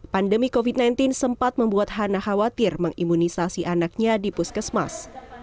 pandemi covid sembilan belas sempat membuat hana khawatir mengimunisasi anaknya di puskesmas